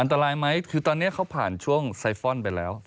ตรายไหมคือตอนนี้เขาผ่านช่วงไซฟอนด์ไปแล้ว